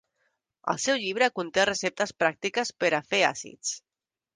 El seu llibre conté receptes pràctiques per a fer àcids.